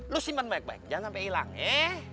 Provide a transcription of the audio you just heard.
lu simpan baik baik jangan sampai hilang eh